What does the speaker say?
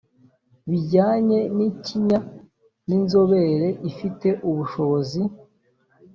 bijyanye n ikinya ni inzobere ifite ubushobozi